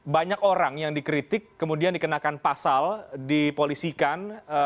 banyak orang yang dikritik kemudian dikenakan pasal dipolisikan